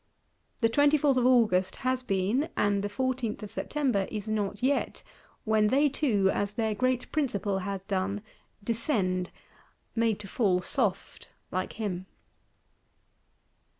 The 24th of August has been; and the 14th September is not yet, when they two, as their great Principal had done, descend,—made to fall soft, like him.